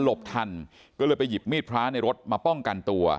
ทันก็เลยไปหยิบมีดพระในรถมาป้องกันตัว